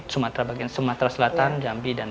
sumatera bagian sumatera selatan